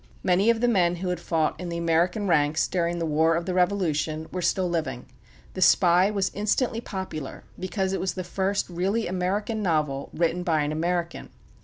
Many of the men who had fought in the American ranks during the War of the Revolution were still living. "The Spy" was instantly popular, because it was the first really American novel written by an American.